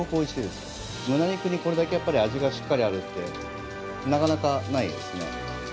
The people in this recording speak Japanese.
胸肉にこれだけやっぱり味がしっかりあるってなかなかないですね。